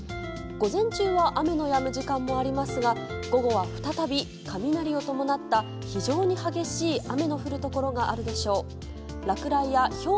午前中は雨のやむ時間もありますが午後は再び、雷を伴った非常に激しい雨の降るところがあるでしょう。